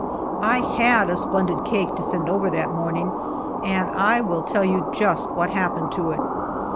I had a splendid cake to send over that morning, and I will tell you just what happened to it.